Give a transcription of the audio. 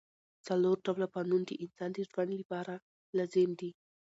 څلور ډوله فنون د انسان د ژوند له پاره لازم دي.